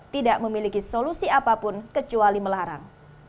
tidak memiliki solusi apapun kecuali melarang